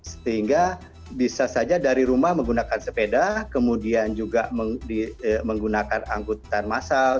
sehingga bisa saja dari rumah menggunakan sepeda kemudian juga menggunakan angkutan massal